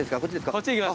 こっち行きます。